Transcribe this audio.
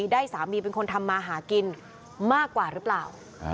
ได้สามีเป็นคนทำมาหากินมากกว่าหรือเปล่า